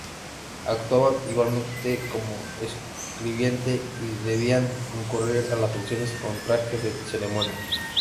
Actuaba igualmente como escribiente y debía concurrir a las funciones con traje de ceremonia.